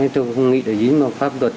tôi không nghĩ là dính vào pháp luật